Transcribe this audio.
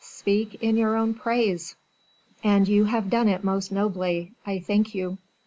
"Speak in your own praise." "And you have done it most nobly; I thank you."